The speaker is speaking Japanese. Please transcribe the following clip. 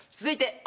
続いて。